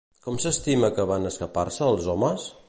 Com s'estima que van escapar-se, els homes?